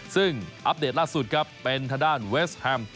ซึ่งอัปเดตล่าสุดครับเป็นทางด้านเวสแฮม